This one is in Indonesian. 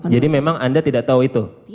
jadi memang anda tidak tahu itu